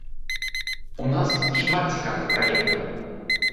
У нас шмат цікавых праектаў.